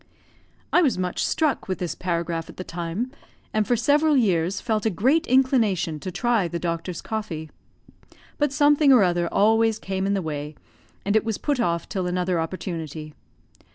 I was much struck with this paragraph at the time, and for several years felt a great inclination to try the Doctor's coffee; but something or other always came in the way, and it was put off till another opportunity.